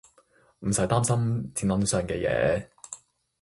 唔使擔心錢銀上嘅嘢